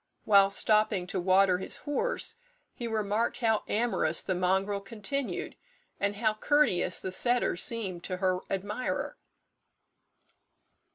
Whilst stopping to water his horse, he remarked how amorous the mongrel continued, and how courteous the setter seemed to her admirer.